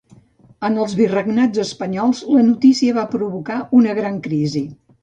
En els virregnats espanyols, la notícia va provocar una gran crisi.